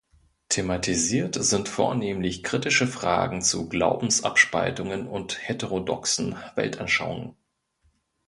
Thematisiert sind vornehmlich kritische Fragen zu Glaubensabspaltungen und heterodoxen Weltanschauungen.